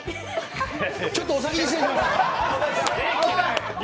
ちょっとお先に失礼します。